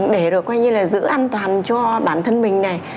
để rồi coi như là giữ an toàn cho bản thân mình này